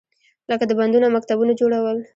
لکه د بندونو او مکتبونو جوړول.